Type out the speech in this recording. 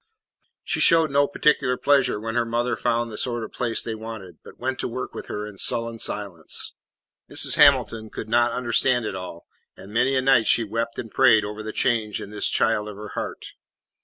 She showed no particular pleasure when her mother found the sort of place they wanted, but went to work with her in sullen silence. Mrs. Hamilton could not understand it all, and many a night she wept and prayed over the change in this child of her heart.